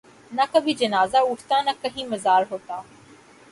نہ کبھی جنازہ اٹھتا نہ کہیں مزار ہوتا